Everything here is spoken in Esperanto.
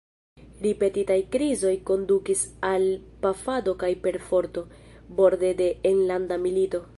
Ripetitaj krizoj kondukis al pafado kaj perforto, borde de enlanda milito.